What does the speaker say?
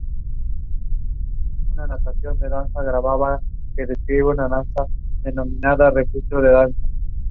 Ambos decidieron pasar su luna de miel en Hawaii por dos semanas.